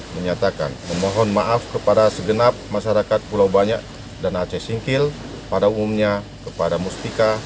menyatakan memohon maaf kepada segenap masyarakat pulau banyak dan aceh singkil pada umumnya kepada mustika